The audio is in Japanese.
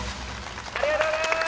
ありがとうございます！